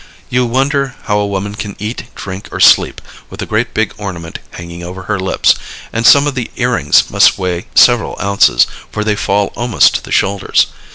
You wonder how a woman can eat, drink or sleep with a great big ornament hanging over her lips, and some of the earrings must weigh several ounces, for they fall almost to the shoulders.